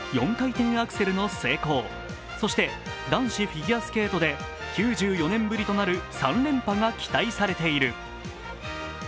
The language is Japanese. ４回転アクセルの成功そして男子フィギュアスケートで９４年ぶりとなる３連覇が期待されている。